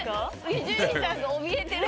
伊集院さんがおびえてる今。